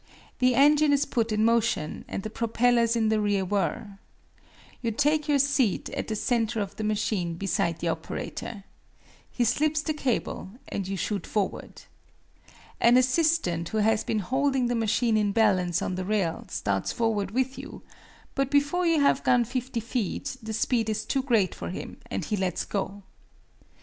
The engine is put in motion, and the propellers in the rear whir. You take your seat at the center of the machine beside the operator. He slips the cable, and you shoot forward. An assistant who has been holding the machine in balance on the rail starts forward with you, but before you have gone 50 feet the speed is too great for him, and he lets go.